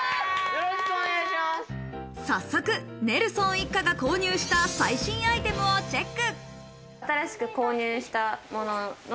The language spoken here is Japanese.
早速ネルソン一家が購入した最新アイテムをチェック。